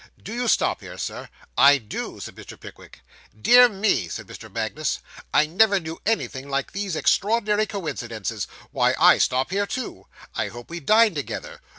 'Do you stop here, sir?' 'I do,' said Mr. Pickwick. 'Dear me,' said Mr. Magnus, 'I never knew anything like these extraordinary coincidences. Why, I stop here too. I hope we dine together?